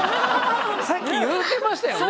さっき言うてましたよね？